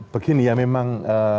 begini ya memang